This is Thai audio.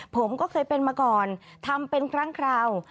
ผมก็เคยเป็นมาก่อนทำเป็นครั้งคราว